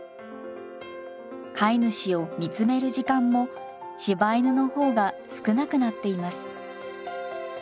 飼い主を見つめる時間も柴犬の方が少なくなっています。